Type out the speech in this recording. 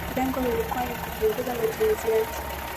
lengo likuwa ni kupunguza matumizi yake